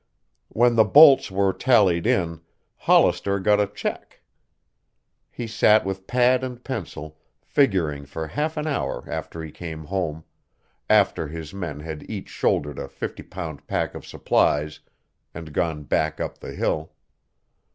When the bolts were tallied in, Hollister got a check. He sat with pad and pencil figuring for half an hour after he came home, after his men had each shouldered a fifty pound pack of supplies and gone back up the hill.